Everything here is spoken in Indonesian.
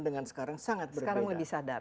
dengan sekarang sangat berbeda